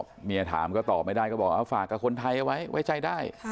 พอเมียถามก็ตอบไม่ได้ก็บอกฝากกับคนไทยเอาไว้ไว้ใจได้